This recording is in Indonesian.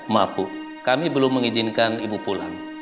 maaf bu kami belum mengizinkan ibu pulang